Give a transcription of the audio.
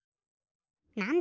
なんだ？